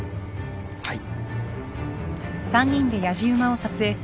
はい。